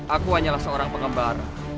aku hanyalah seorang pengembara